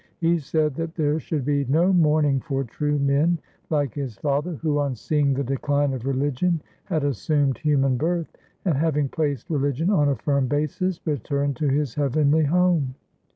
He said that there should be no mourning for true men like his father, who on seeing the decline of religion had assumed human birth, and having placed religion on a firm basis returned to his heavenly home.